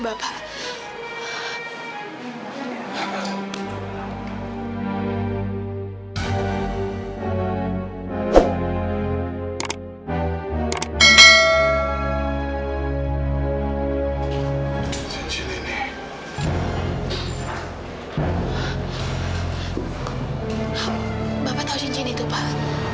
bapak tahu jinjin itu pak